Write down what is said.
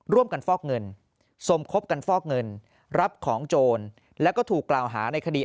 ฟอกเงินสมคบกันฟอกเงินรับของโจรแล้วก็ถูกกล่าวหาในคดี